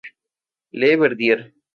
Le Verdier